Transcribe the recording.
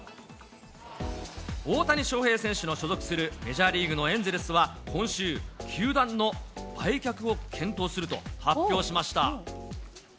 大谷翔平選手の所属するメジャーリーグのエンゼルスは、今週、球団の売却を検討すると発表しました。